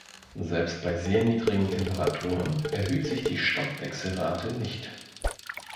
Selbst bei sehr niedrigen Temperaturen erhöht sich die Stoffwechselrate nicht.